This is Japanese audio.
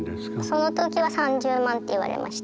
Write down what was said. その時は「３０万」って言われました。